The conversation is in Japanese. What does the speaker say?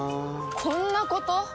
こんなこと？